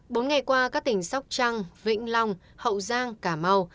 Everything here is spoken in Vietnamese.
bốn ngày qua các tỉnh sóc trăng vĩnh long hậu giang cả mau